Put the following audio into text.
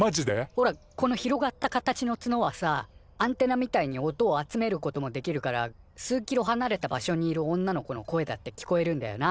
ほらこの広がった形のツノはさアンテナみたいに音を集めることもできるから数キロはなれた場所にいる女の子の声だって聞こえるんだよな